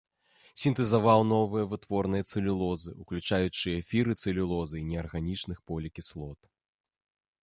Сінтэзаваў новыя вытворныя цэлюлозы, уключаючы эфіры цэлюлозы і неарганічных полікіслот.